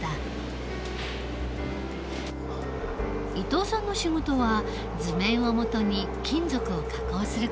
伊藤さんの仕事は図面を基に金属を加工する事。